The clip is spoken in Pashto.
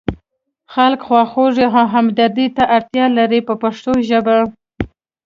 خلک خواخوږۍ او همدردۍ ته اړتیا لري په پښتو ژبه.